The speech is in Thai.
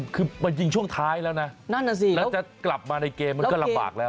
คือมันยิงช่วงท้ายแล้วนะนั่นน่ะสิแล้วจะกลับมาในเกมมันก็ลำบากแล้ว